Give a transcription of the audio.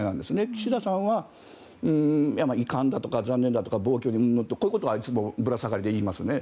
岸田さんは遺憾だとか残念だとか暴挙だとかこういうことはいつもぶら下がりで言いますね。